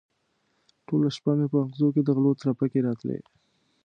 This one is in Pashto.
ټوله شپه مې په مغزو کې د غلو ترپکې راتلې.